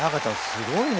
すごいね。